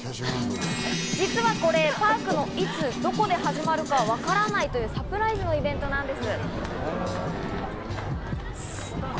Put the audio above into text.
実はこれ、パークのいつどこで始まるかわからないというサプライズのイベントなんです。